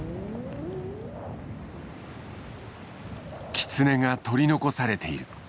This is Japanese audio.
キツネが取り残されている。